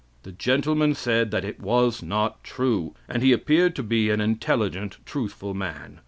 The gentleman said that it was not true, and he appeared to be an intelligent, truthful man.